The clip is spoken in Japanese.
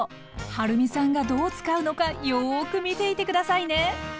はるみさんがどう使うのかよく見ていて下さいね！